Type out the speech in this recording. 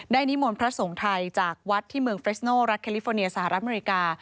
นิมนต์พระสงฆ์ไทยจากวัดที่เมืองเฟรสโนรัฐแคลิฟอร์เนียสหรัฐอเมริกา